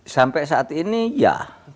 sampai saat ini ya